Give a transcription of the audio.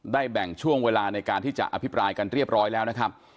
แบ่งช่วงเวลาในการที่จะอภิปรายกันเรียบร้อยแล้วนะครับ